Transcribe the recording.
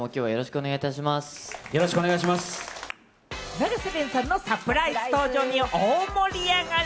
永瀬廉さんのサプライズ登場に大盛り上がり！